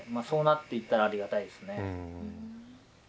そうなっていったらありがたいですね。